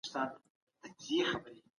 په سوسیالیزم کي هر څه اجتماعي وي.